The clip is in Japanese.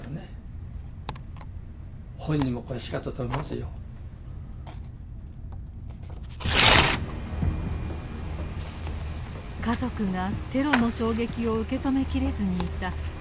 家族がテロの衝撃を受け止めきれずにいた事件の３日後。